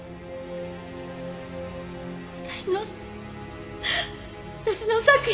私の私の作品を！